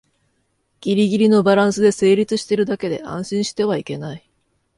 ギリギリのバランスで成立してるだけで安心してはいけない